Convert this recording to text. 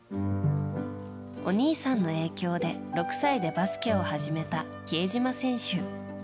お兄さんの影響で６歳でバスケを始めた比江島選手。